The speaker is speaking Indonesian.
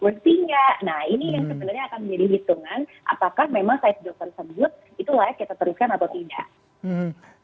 nah ini yang sebenarnya akan menjadi hitungan apakah memang side job tersebut itu layak kita teruskan atau tidak